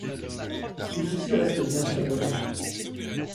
Tout ceci reste bien sûr bon enfant.